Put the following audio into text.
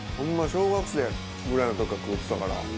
小学生ぐらいの時から食うてたから。